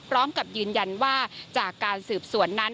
พร้อมกับยืนยันว่าจากการสืบสวนนั้น